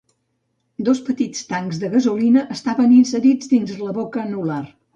Dos petits tancs de gasolina estaven inserits dins la boca anular.